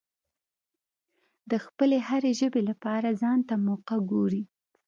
د خپلې هرې ژبې لپاره ځانته موقع ګوري.